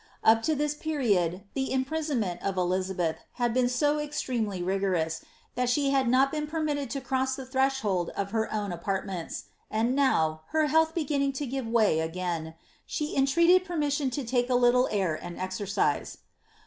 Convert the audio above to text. Up to this period, the imprisonment of Elizabeth had been so ex tremely rigorous, that she had not been permitted to cross the threshold of her own apartments, and now, her health beginning to give Mray again, she entreated permission to take a little air and exercise.